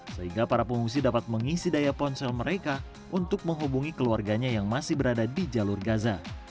sehingga para pengungsi dapat mengisi daya ponsel mereka untuk menghubungi keluarganya yang masih berada di jalur gaza